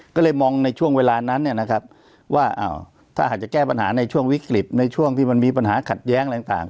ก็เลยมองในช่วงเวลานั้นว่าถ้าอาจจะแก้ปัญหาในช่วงวิกฤตในช่วงที่มันมีปัญหาขัดแย้งอะไรต่าง